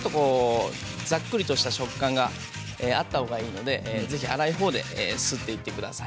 ざっくりとした食感があったほうがいいのでぜひ粗いほうですっていってください。